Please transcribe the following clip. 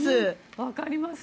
わかります。